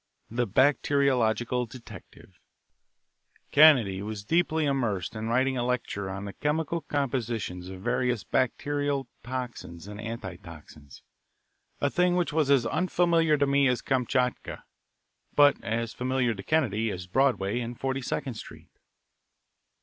III. The Bacteriological Detective Kennedy was deeply immersed in writing a lecture on the chemical compositions of various bacterial toxins and antitoxins, a thing which was as unfamiliar to me as Kamchatka, but as familiar to Kennedy as Broadway and Forty second Street.